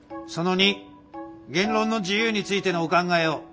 「その２言論の自由についてのお考えを」。